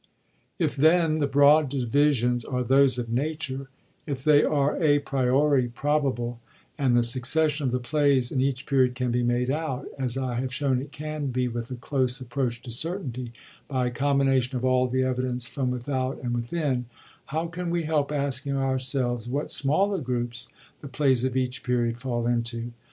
If then the broad divisions are those of Nature, if they are d priori probable, and the succession of the plays in each Period can be made out— as I have shown it can be with a close approach to certainty — by a combination of all the evidence from without and within, how can we help asking ourselves what smaller groups the plays of each Period fall into